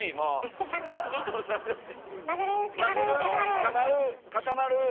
つかまる固まる